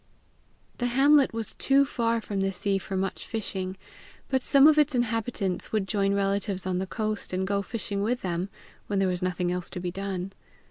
The hamlet was too far from the sea for much fishing, but some of its inhabitants would join relatives on the coast and go fishing with them, when there was nothing else to be done.